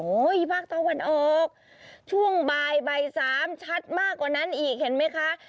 ภาคตะวันออกช่วงบ่ายบ่ายสามชัดมากกว่านั้นอีกเห็นไหมคะ